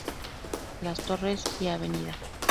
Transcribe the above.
Las Torres y Av.